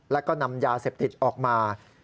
แล้วก็นำยาเสพติดออกมา